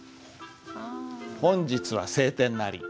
「本日は晴天なり」。